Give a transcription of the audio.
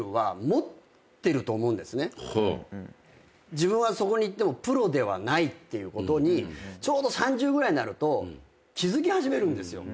自分はそこに行ってもプロではないっていうことにちょうど３０ぐらいになると気付き始めるんですよ。